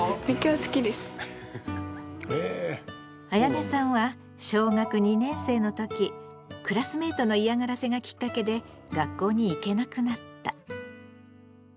あやねさんは小学２年生の時クラスメートの嫌がらせがきっかけで学校に行けなくなった。